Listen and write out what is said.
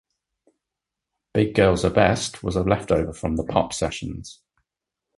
"Big Girls Are Best" was a leftover from the "Pop" sessions.